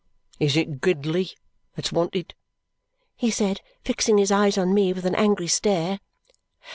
"Is it Gridley that's wanted?" he said, fixing his eyes on me with an angry stare.